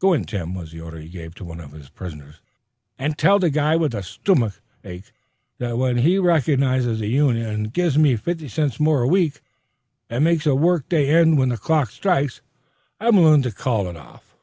"Go in, Tim," was the order he gave to one of his prisoners, "an' tell the guy with the stomick ache that when he recognizes the union an' gives me fifty cents more a week an' makes a work day end when the clock strikes, I'm willin' to call it off."